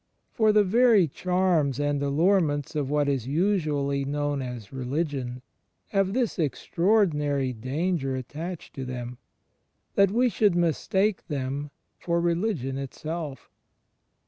For the very charms and alliurements of what is usu ally known as "religion" have this extraordinary dan ger attached to them — that we should mistake them for religion itself.